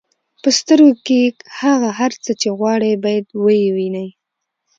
په سترګو کې هغه هر څه چې غواړئ باید ووینئ.